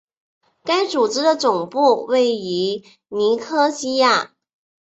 该组织的总部位于尼科西亚。